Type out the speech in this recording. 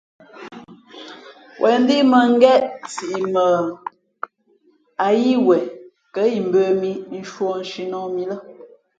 Wěn ndíʼ mᾱngén siʼ mα ǎ yíí wen kα̌ imbə̄ mī nshūᾱ nshǐnᾱh mǐ lά.